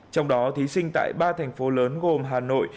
trong đó thí sinh tại ba thành phố lớn gồm hà nội